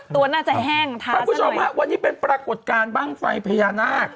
ตัวน่าจะแห้งค่ะท่านผู้ชมฮะวันนี้เป็นปรากฏการณ์บ้างไฟพญานาค